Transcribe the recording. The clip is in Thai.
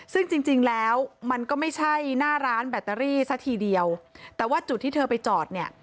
ซึ่งจริงจริงแล้วมันก็ไม่ใช่หน้าร้านแบตเตอรี่ซะทีเดียวแต่ว่าจุดที่เธอไปจอดเนี่ย